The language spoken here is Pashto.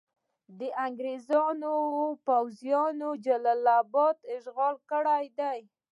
د انګریزانو پوځونو جلال اباد اشغال کړی دی.